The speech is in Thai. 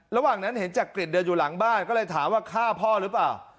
ระหว่างนั้นเห็นจักริตเดินอยู่หลังบ้านก็เลยถามว่าฆ่าพ่อหรือเปล่า